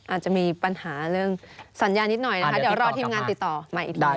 อาจจะมีปัญหาเรื่องสัญญานิดหน่อยนะคะเดี๋ยวรอทีมงานติดต่อมาอีกที